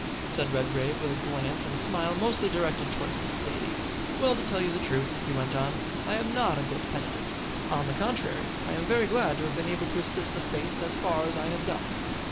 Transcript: said Redgrave, with a glance and a smile mostly directed towards Miss Zaidie. "Well, to tell you the truth," he went on, "I am not a bit penitent. On the contrary, I am very glad to have been able to assist the Fates as far as I have done."